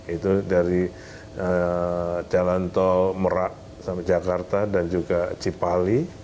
itu dari jalan tol merak sampai jakarta dan juga cipali